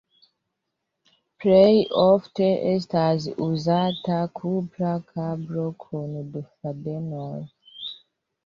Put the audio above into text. Plej ofte estas uzata kupra kablo kun du fadenoj.